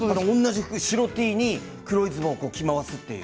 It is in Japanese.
白いＴシャツに白Ｔに黒いズボンを着回すという。